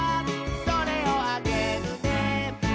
「それをあげるね」